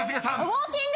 「ウォーキング」！